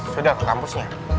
sudah ke kampusnya